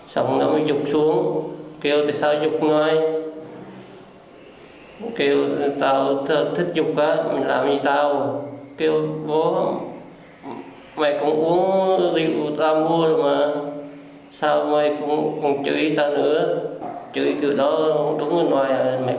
xong rồi dục xuống kêu thì sao dục ngay